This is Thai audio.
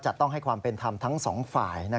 จะต้องให้ความเป็นธรรมทั้งสองฝ่าย